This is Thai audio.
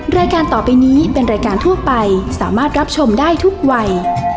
รายการต่อไปนี้เป็นรายการทั่วไปสามารถรับชมได้ทุกวัย